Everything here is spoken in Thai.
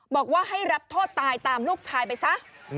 บอกว่าให้รับโทษตายตามลูกชายไปซะ